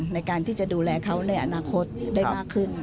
ในการที่จะดูแลเขาในอนาคตได้มากขึ้น